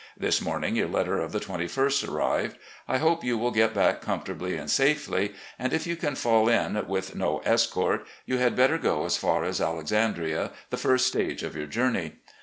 This morning your letter of the 2ist arrived. ... I hope you will get back comfortably and safely, and if you can fall in with no FAILING HEALTH 387 escort, you had better go as far as Alexandria, the first stage of your journey.